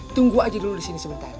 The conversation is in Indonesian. tunggu aja dulu disini sebentar